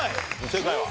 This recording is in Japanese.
正解は？